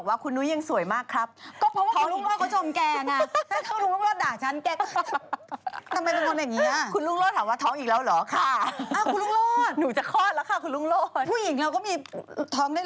ผู้หญิงเราก็มีท้องได้หลายพี่ท้องกัน